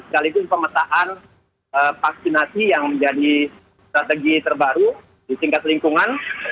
kalipun pemetaan vaksinasi yang menjadi strategi terbaru di tingkat lingkungan